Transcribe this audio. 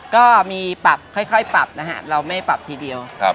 ก็มีปรับค่อยปรับนะฮะเราไม่ปรับทีเดียว